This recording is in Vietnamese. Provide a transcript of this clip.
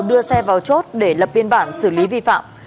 đưa xe vào chốt để lập biên bản xử lý vi phạm